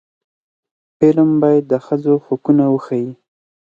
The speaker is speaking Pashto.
فلم باید د ښځو حقونه وښيي